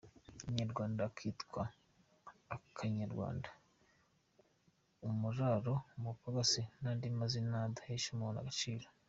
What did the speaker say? Umunyarwanda akitwa “akanyarwanda”, “umuraro”, “umupagasi” n’andi mazina adahesha umuntu agaciro.